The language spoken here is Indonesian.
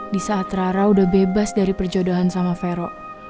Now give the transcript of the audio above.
di saat rara udah bebas dari perjodohan sama vero